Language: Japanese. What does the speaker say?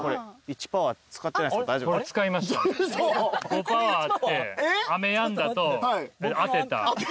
５パワーあって「雨やんだ」と「亀当てた」